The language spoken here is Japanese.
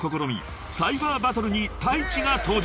サイファーバトルにＴａｉｃｈｉが登場］